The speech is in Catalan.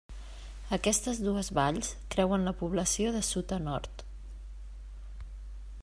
Aquestes dues valls creuen la població de sud a nord.